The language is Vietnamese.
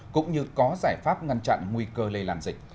cũng như có giải pháp ngăn chặn nguy cơ lây làn dịch